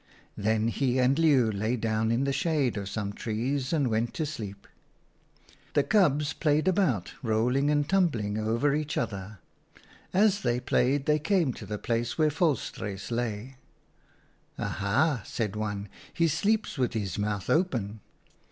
Then he and Leeuw lay down in the shade of some trees and went to sleep. " The cubs played about, rolling and 36 OUTA KARELS STORIES tumbling over each other. As they played they came to the place where Volstruis lay. 11 ' Aha !' said one, ' he sleeps with his mouth open.'